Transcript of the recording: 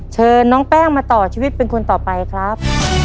เชิญน้องแป้งมาต่อชีวิตเป็นคนต่อไปครับ